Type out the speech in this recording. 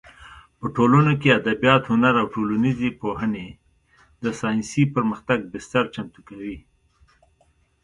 په ټولنو کې ادبیات، هنر او ټولنیزې پوهنې د ساینسي پرمختګ بستر چمتو کوي.